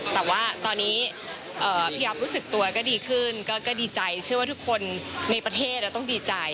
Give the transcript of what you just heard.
แต่ว่าตอนนี้พี่อ๊อฟรู้สึกตัวก็ดีขึ้นก็ดีใจเชื่อว่าทุกคนในประเทศต้องดีใจ